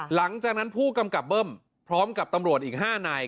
หลังจากนั้นผู้กำกับเบิ้มพร้อมกับตำรวจอีก๕นาย